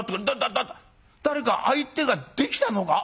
だ誰か相手ができたのか？